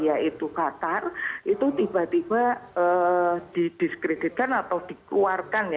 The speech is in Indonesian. yaitu qatar itu tiba tiba didiskreditkan atau dikeluarkan